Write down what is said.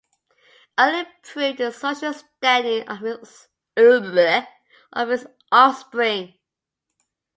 Earle improved the social standing of his offspring.